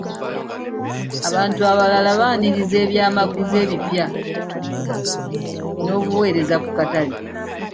Abantu abalala baanirizza eby'amaguzi ebipya n'obuweereza ku katale.